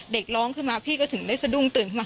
เด็กร้องขึ้นมาพี่ก็ถึงได้สะดุ้งตื่นขึ้นมา